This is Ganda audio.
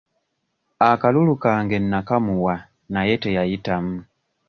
Akalulu kange nnakamuwa naye teyayitamu.